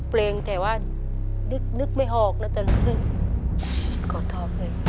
ดยังก่อพากลับ